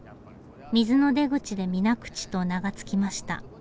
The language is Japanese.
「水の出口」で「水口」と名が付きました。